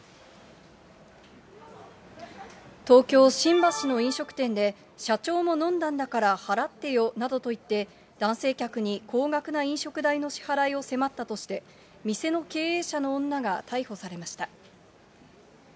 東京・新橋の飲食店で、社長も飲んだんだから払ってよなどと言って、男性客に高額な飲食代の支払いを迫ったとして、店の経営者の女が逮捕されました。